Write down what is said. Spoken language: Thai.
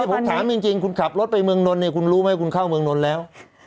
ผมถามจริงคุณขับรถไปเมืองนนท์เนี่ยคุณรู้ไหมคุณเข้าเมืองนนท์แล้ว